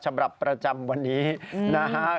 ฉบับประจำวันนี้นะฮะ